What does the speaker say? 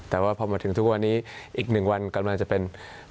แต่ว่าพอมาถึงทุกวันนี้อีก๑วันกำลังจะเป็น